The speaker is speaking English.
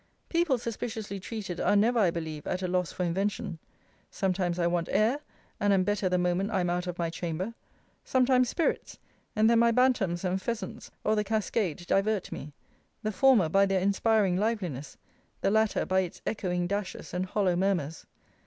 People suspiciously treated are never I believe at a loss for invention. Sometimes I want air, and am better the moment I am out of my chamber. Sometimes spirits; and then my bantams and pheasants or the cascade divert me; the former, by their inspiring liveliness; the latter, by its echoing dashes, and hollow murmurs.